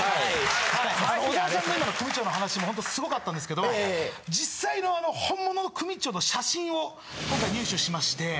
小沢さんの今の組長の話もホントすごかったんですけど実際の本物の組長の写真を今回入手しまして。